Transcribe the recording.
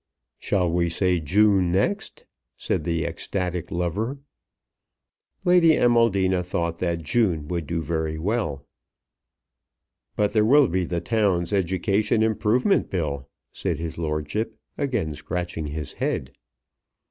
"Shall we say June next?" said the ecstatic lover. Lady Amaldina thought that June would do very well. "But there will be the Town's Education Improvement Bill," said his lordship, again scratching his head.